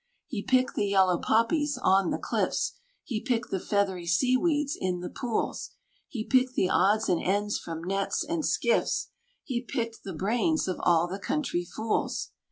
He picked the yellow poppies on the cliffs; He picked the feathery seaweeds in the pools; He picked the odds and ends from nets and skiffs; He picked the brains of all the country fools.